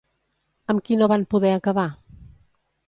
Amb qui no van poder acabar?